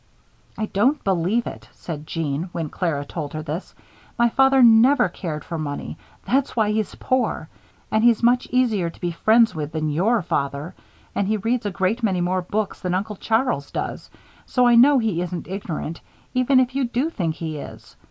"I don't believe it," said Jeanne, when Clara told her this. "My father never cared for money. That's why he's poor. And he's much easier to be friends with than your father and he reads a great many more books than Uncle Charles does, so I know he isn't ignorant, even if you do think he is.